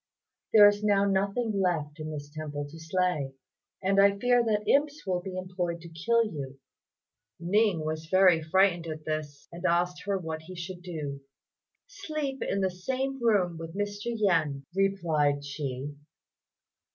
There is now nothing left in this temple to slay, and I fear that imps will be employed to kill you." Ning was very frightened at this, and asked her what he should do. "Sleep in the same room with Mr. Yen," replied she.